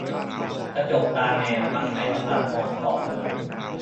กระจกตาแมวมักใช้สำหรับมองขอบถนน